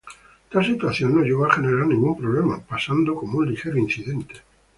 Tal situación no llegó a generar ningún problema, pasando como un ligero incidente.